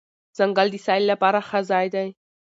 ځنګل د سیل لپاره ښه ځای دی.